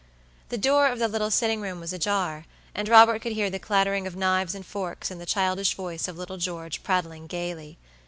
The door of the little sitting room was ajar, and Robert could hear the clattering of knives and forks and the childish voice of little George prattling gayly.